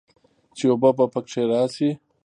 چې اوبۀ به پکښې راشي